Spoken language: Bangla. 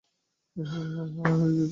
হ্যাঁ, হয়ে গেছে।